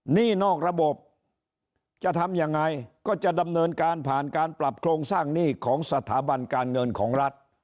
หนี้นอกระบบจะทำยังไงก็จะดำเนินการผ่านการปรับโครงสร้างหนี้ของสถาบันการเงินของรัฐ